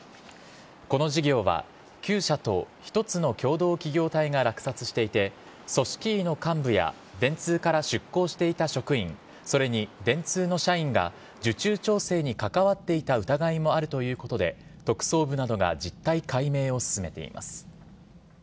この事業は９社と１つの共同企業体が落札していて、組織委の幹部や電通から出向していた職員、それに電通の社員が受注調整に関わっていた疑いもあるということで、特捜部などが実態解明を進めています。